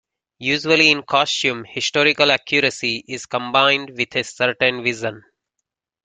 Usually, in costume, historical accuracy is combined with a certain vision.